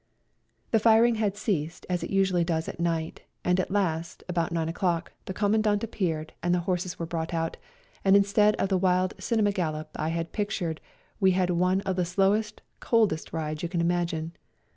The firing had ceased, as it usually does at night, and at last, about nine o'clock, the Commandant appeared and the horses were brought out, and instead of the wild cinema gallop I had pictured we had one of the slowest, coldest rides you can imagine.